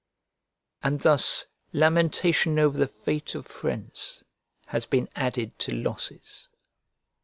And thus lamentation over the fate of friends has been added to losses.